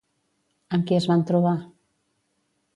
Amb qui es van trobar?